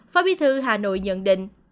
phó bí thư hà nội nhận định